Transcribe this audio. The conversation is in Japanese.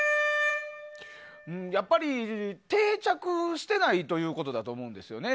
やっぱり、定着してないということだと思うんですよね。